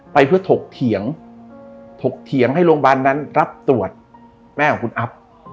ไปเพื่อถกเถียงถกเถียงให้โรงพยาบาลนั้นรับตรวจแม่ของคุณอัพ